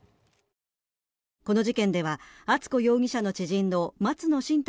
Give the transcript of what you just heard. この事件では敦子容疑者の知人の松野新太